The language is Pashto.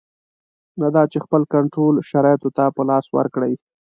نه دا چې خپل کنټرول شرایطو ته په لاس ورکړي.